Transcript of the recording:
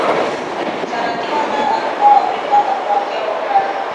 صنعتي وده اروپا او امریکا ته پراختیا وکړه.